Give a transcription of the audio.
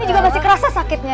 tapi juga masih kerasa sakitnya